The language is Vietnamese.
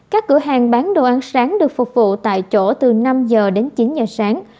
các cửa hàng bán đồ ăn sáng được phục vụ tại chỗ từ năm h đến chín h sáng